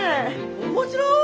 面白い！